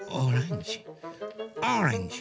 オレンジ。